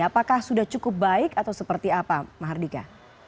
apakah sudah cukup baik atau seperti apa maha hardika